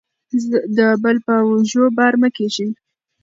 د بل په اوږو بار مه کیږئ.